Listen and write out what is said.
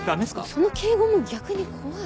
その敬語も逆に怖い。